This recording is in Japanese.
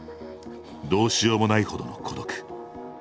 どうしようもないほどの孤独。